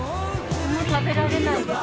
もう食べられないですか？